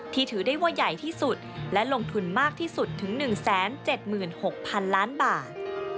ถือได้ว่าใหญ่ที่สุดและลงทุนมากที่สุดถึง๑๗๖๐๐๐ล้านบาท